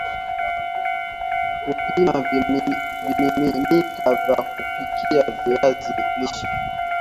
kupima vimiminika vya kupikia viazi lishe